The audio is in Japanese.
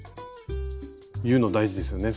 言うの大事ですよね